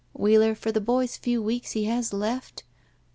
Wheeler, for the boy's few weeks he has left?